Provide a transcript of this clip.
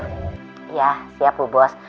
iya siap bu bos